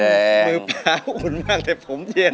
มือปลาอุ่นมากแต่ผมเพียน